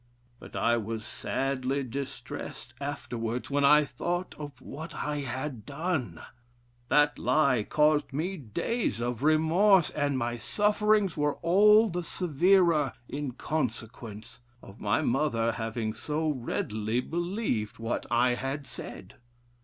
But I was sadly distressed afterwards when I thought of what I had done. That lie caused me days of remorse, and my sufferings were all the severer in consequence of my mother having so readily believed what I said."